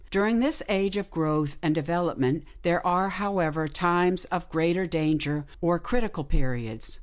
Dur ing this age of growth and development, there are, however, times of greater danger, or critical periods.